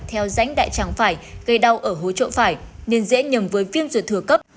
theo rãnh đại tràng phải gây đau ở hố trộn phải nên dễ nhầm với viêm ruột thừa cấp